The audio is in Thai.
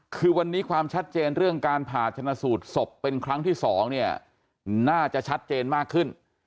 คือวันนี้ความชัดเจนเรื่องการผ่าชนะสูตรศพเป็นครั้งที่๒เนี่ยน่าจะชัดเจนมากขึ้น